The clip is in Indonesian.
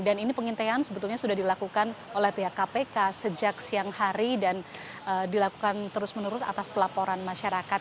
dan ini pengintian sebetulnya sudah dilakukan oleh pihak kpk sejak siang hari dan dilakukan terus menerus atas pelaporan masyarakat